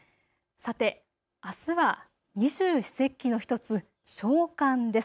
さて、あすは二十四節気の１つ、小寒です。